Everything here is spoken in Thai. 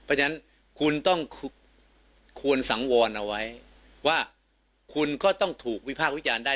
เพราะฉะนั้นคุณต้องควรสังวรเอาไว้ว่าคุณก็ต้องถูกวิพากษ์วิจารณ์ได้